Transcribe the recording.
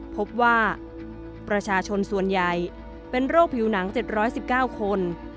พบว่าประชาชนส่วนใหญ่เป็นโรคผิวหนัง๗๑๙คน